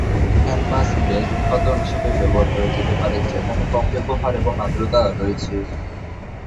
Canvas bag উপাদান হিসাবে ব্যবহার করা যেতে পারে যেখানে কম ব্যবহার এবং আর্দ্রতা রয়েছে।